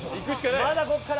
まだここから。